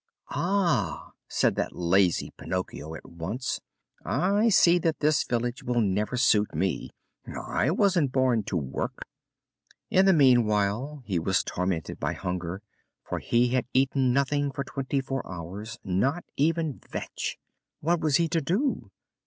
"Ah!" said that lazy Pinocchio at once, "I see that this village will never suit me! I wasn't born to work!" In the meanwhile he was tormented by hunger, for he had eaten nothing for twenty four hours not even vetch. What was he to do?